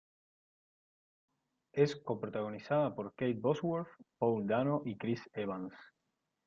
Es co-protagonizada por Kate Bosworth, Paul Dano y Chris Evans.